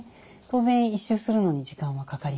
当然１周するのに時間はかかります。